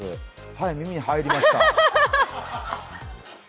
はい、耳に入りました。